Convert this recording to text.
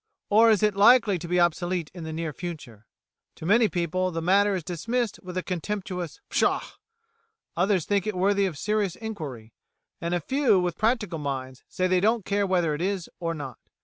or is it likely to be obsolete in the near future? To many people the matter is dismissed with a contemptuous Pshaw!; others think it worthy of serious inquiry, and a few with practical minds say they don't care whether it is or not.